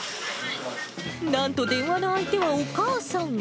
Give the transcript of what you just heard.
なんと電話の相手はお母さん。